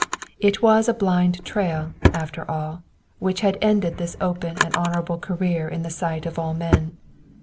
It was a blind trail, after all, which had ended this open and honorable career in the sight of all men.